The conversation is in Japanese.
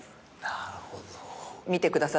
なるほど。